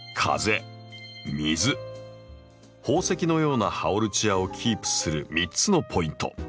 宝石のようなハオルチアをキープする３つのポイント